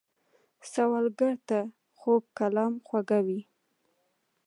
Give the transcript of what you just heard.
سوالګر ته خوږ کلام خواږه وي